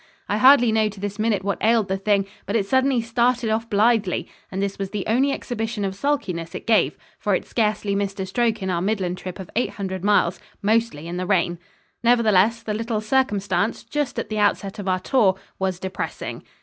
I hardly know to this minute what ailed the thing, but it suddenly started off blithely, and this was the only exhibition of sulkiness it gave, for it scarcely missed a stroke in our Midland trip of eight hundred miles mostly in the rain. Nevertheless, the little circumstance, just at the outset of our tour, was depressing.